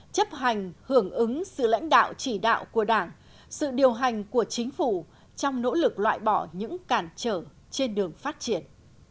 chấp hành hưởng ứng sự lãnh đạo chỉ đạo của đảng sự điều hành của chính phủ trong nỗ lực loại bỏ những cản trở trên đường phát triển